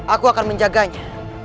aku akan menjaganya